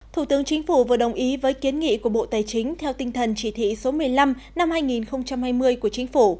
thủ tướng chính phủ vừa đồng ý với kiến nghị của bộ tài chính theo tinh thần chỉ thị số một mươi năm năm hai nghìn hai mươi của chính phủ